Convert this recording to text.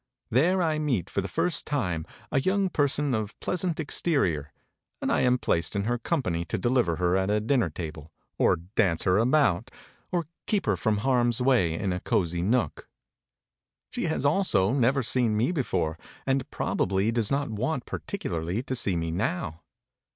There I meet for the first time a young person of pleasant exterior, and I am placed in her company to deliver her at a dinner table, or dance her about, or keep her out of harm's way, in a cosy nook. She has also never seen me before, and probably does not want particularly to see me now.